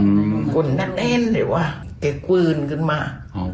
อืมคุณนัดเอนหรือว่าเก็บคืนขึ้นมา